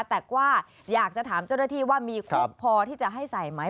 แต่ว่าอยากจะถามเจ้าหน้าที่ว่ามีครบพอที่จะให้ใส่ไหม